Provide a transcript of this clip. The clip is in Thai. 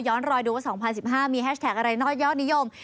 รอยดูว่า๒๐๑๕มีแฮชแท็กอะไรนอกยอดนิยม